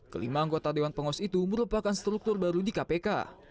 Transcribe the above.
kelima anggota dewan pengawas itu merupakan struktur baru di kpk